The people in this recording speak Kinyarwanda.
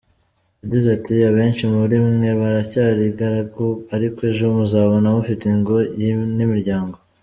Yagize ati "Abenshi muri mwe muracyari ingaragu, ariko ejo muzaba mufite ingo n’imiryango.